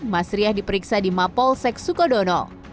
mas riah diperiksa di mapol sek sukodono